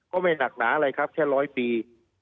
ไม่หนักหนาอะไรครับแค่ร้อยปี